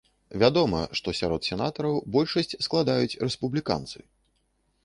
Вядома, што сярод сенатараў большасць складаюць рэспубліканцы.